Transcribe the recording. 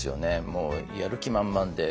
もうやる気満々で。